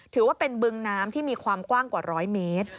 ถือว่าเป็นบึงน้ำที่มีความกว้างกว่า๑๐๐เมตร